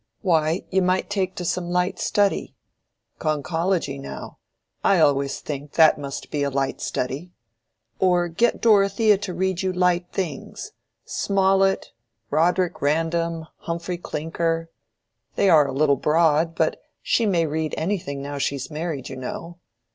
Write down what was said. Why, you might take to some light study: conchology, now: I always think that must be a light study. Or get Dorothea to read you light things, Smollett—'Roderick Random,' 'Humphrey Clinker:' they are a little broad, but she may read anything now she's married, you know.